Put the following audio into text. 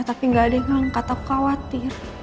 tapi nggak ada yang angkat aku khawatir